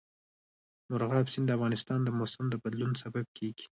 مورغاب سیند د افغانستان د موسم د بدلون سبب کېږي.